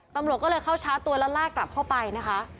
ตำรวจก็เลยเข้าชาร์จตัวแล้วลากกลับเข้าไปนะคะ